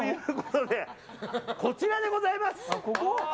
こちらでございます。